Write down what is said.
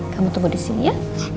kamu tunggu disini ya